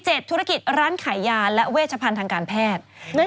ธุรกิจร้านขายยาและเวชพันธ์ทางการแพทย์